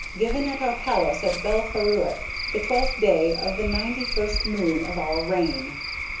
Given at our palace at Belfaburac, the twelfth day of the ninety first moon of our reign."